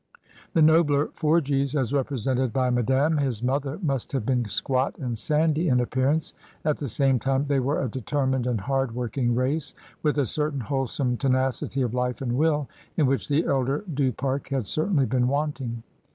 The nobler Forgies, as represented by Madame his mother, must have been squat and sandy in ap pearance; at the same time, they were a determined and hard working race, with a certain wholesome tenacity of life and will, in which the elder Du Pare had certainly been wanting.